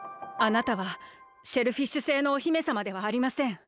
あなたはシェルフィッシュ星のお姫さまではありません。